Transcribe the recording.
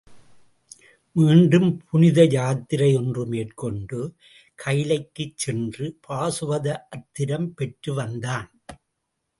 மீண்டும் புனித யாத்திரை ஒன்று மேற்கொண்டு கயிலைக்குச் சென்று பாசுபத அத்திரம் பெற்று வந்தான்.